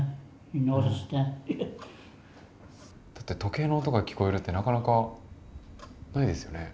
だって時計の音が聞こえるってなかなかないですよね。